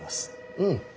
うん。